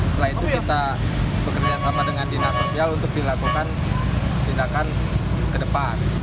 setelah itu kita bekerjasama dengan dinasosial untuk dilakukan tindakan ke depan